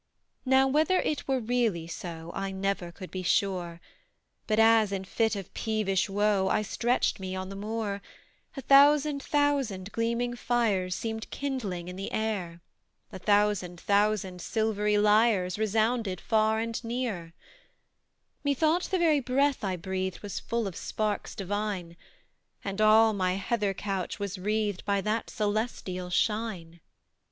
Now, whether it were really so, I never could be sure; But as in fit of peevish woe, I stretched me on the moor, A thousand thousand gleaming fires Seemed kindling in the air; A thousand thousand silvery lyres Resounded far and near: Methought, the very breath I breathed Was full of sparks divine, And all my heather couch was wreathed By that celestial shine!